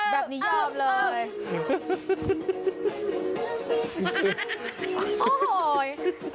แบบนี้เยี่ยมเลย